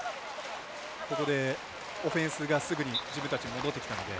ここでオフェンスがすぐに自分たちに戻ってきたので。